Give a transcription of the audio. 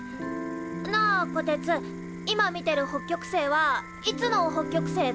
なあこてつ今見てる北極星はいつの北極星だ？